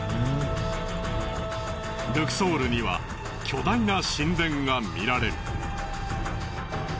ルクソールには巨大な神殿が見られる。